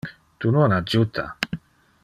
Tu non adjuta.